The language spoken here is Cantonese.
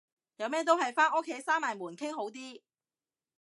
有咩都係返屋企閂埋門傾好啲